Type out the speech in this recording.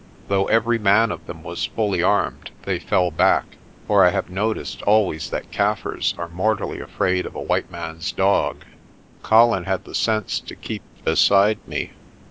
Though every man of them was fully armed, they fell back, for I have noticed always that Kaffirs are mortally afraid of a white man's dog. Colin had the sense to keep beside me.